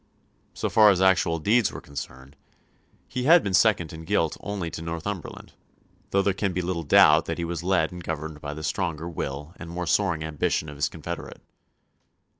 So far as actual deeds were concerned, he had been second in guilt only to Northumberland; though there can be little doubt that he was led and governed by the stronger will and more soaring ambition of his confederate.